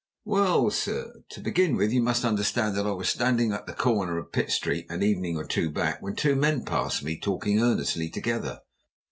"Well, sir, to begin with, you must understand that I was standing at the corner of Pitt Street an evening or two back, when two men passed me talking earnestly together.